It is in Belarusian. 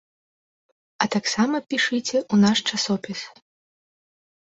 А таксама пішыце ў наш часопіс.